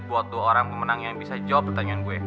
buat dua orang pemenang yang bisa jawab pertanyaan gue